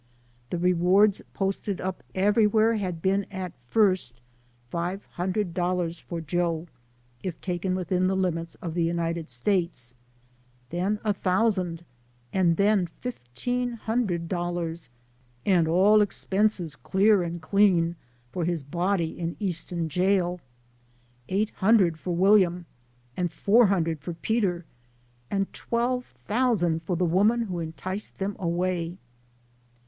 The rewards posted up everywhere had been at first five hundred dollars for Joe, if taken within the limits of the United States ; then a thousand, and then fifteen hundred dollars, " an' all expenses clar an' clean, for his body in Easton Jail." Eight hundred for William, and four hundred for Peter, and twelve thousand for the woman who enticed them away.